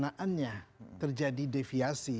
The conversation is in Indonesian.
pelaksanaannya terjadi deviasi